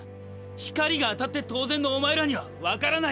光が当たって当然のお前らには分からないだろうな！